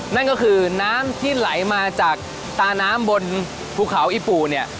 นั่นก็คือน้ำที่ไหลมาจากตาน้ำบนภูเขาอีปูเนี่ย